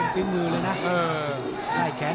ทิมมือเลยนะเออ